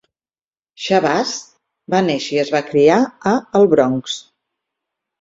Shabazz va néixer i es va criar a El Bronx.